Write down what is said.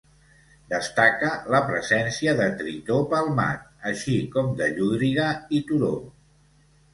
Destaca la presència de tritó palmat, així com de llúdriga i turó.